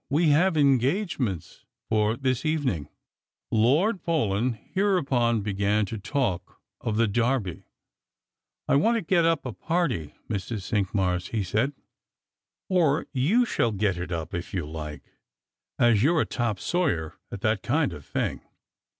We have engagements for this evening." Lord Paulyn hereupon began to talk of the Derby, Strangers and Pilgrims. 171 I want to get up a party, Mrs. Cinqmars," he said, " or you shall get it up if you like, as you're a top sawyer at that kind of thing.